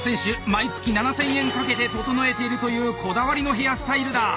毎月７，０００円かけて整えているというこだわりのヘアスタイルだ。